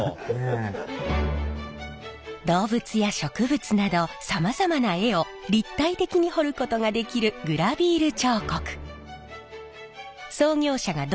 動物や植物などさまざまな絵を立体的に彫ることができるグラヴィール彫刻。